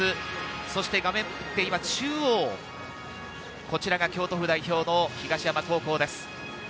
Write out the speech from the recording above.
そして画面、今中央、こちらが京都府代表の東山高校です。